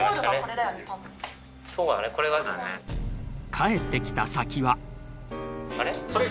帰ってきた先は。